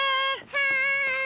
はい！